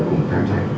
cùng tham gia